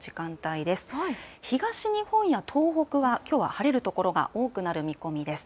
東日本や東北はきょうは晴れる所が多くなる見込みです。